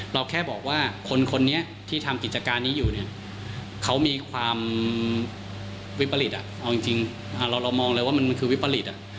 เราแค่บอกว่าคนนี้ที่ทำกิจการนี้อยู่เนี่ยเขามีความวิปริตเอาจริงเรามองเลยว่ามันคือวิปริต